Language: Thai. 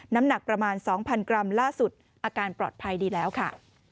น้ำหนักประมาณ๒๐๐กรัมล่าสุดอาการปลอดภัยดีแล้วค่ะ